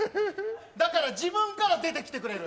だから自分から出てきてくれる？